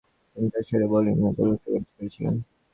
তিনি তার সেরা বোলিংনৈপুণ্য প্রদর্শন করতে পেরেছিলেন।